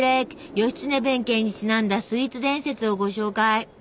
義経弁慶にちなんだスイーツ伝説をご紹介！